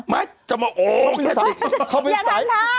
มั๊ยสมมุติ